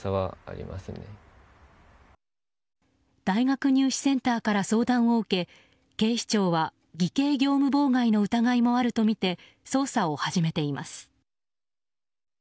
大学入試センターから相談を受け、警視庁は偽計業務妨害の疑いもあるとみて捜査を始めています。